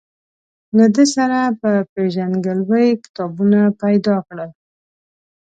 له ده سره په پېژندګلوۍ کتابونه پیدا کړل.